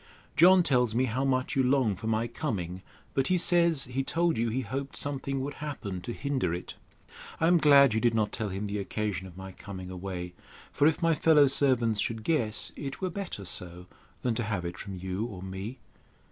John tells me how much you long for my coming; but he says, he told you he hoped something would happen to hinder it. I am glad you did not tell him the occasion of my coming away; for if my fellow servants should guess, it were better so, than to have it from you or me.